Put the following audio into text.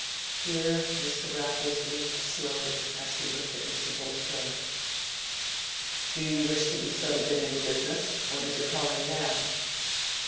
Here Mr. Raffles winked slowly as he looked at Mr. Bulstrode. "Do you wish to be settled in any business? What is your calling now?"